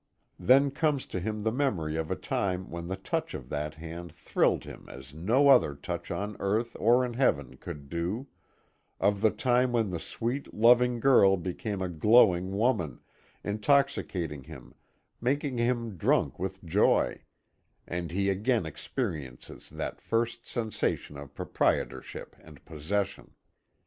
Then comes to him the memory of a time when the touch of that hand thrilled him as no other touch on earth or in heaven could do; of the time when the sweet, loving girl became a glowing woman, intoxicating him, making him drunk with joy: and he again experiences that first sensation of proprietorship and possession.